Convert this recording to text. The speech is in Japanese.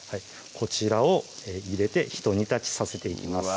こちらを入れてひと煮立ちさせていきます